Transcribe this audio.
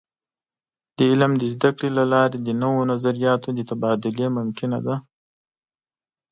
د علم د زده کړې له لارې د نوو نظریاتو د تبادلې ممکنه ده.